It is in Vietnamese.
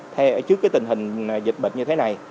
trước cái tình hình dịch bệnh như thế này